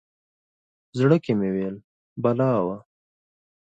زړه کې مې ویل بلا وه.